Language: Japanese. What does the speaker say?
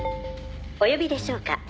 「お呼びでしょうか？」